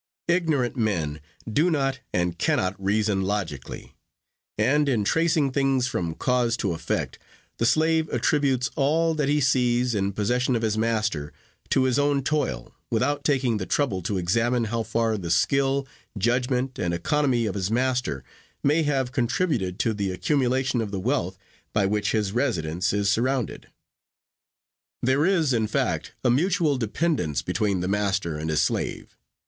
Ignorant men do not and cannot reason logically; and in tracing things from cause to effect, the slave attributes all that he sees in possession of his master to his own toil, without taking the trouble to examine how far the skill, judgment, and economy of his master may have contributed to the accumulation of the wealth by which his residence is surrounded. There is, in fact, a mutual dependence between the master and his slave.